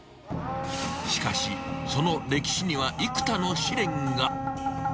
しかし、その歴史には幾多の試練が。